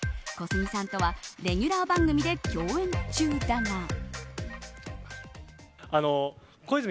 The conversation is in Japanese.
小杉さんとはレギュラー番組で共演中だが。